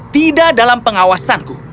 tidak dalam pengawasanku